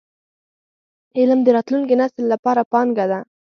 علم د راتلونکي نسل لپاره پانګه ده.